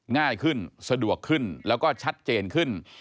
ง่ายขึ้นสะดวกขึ้นแล้วก็ชัดเจนขึ้น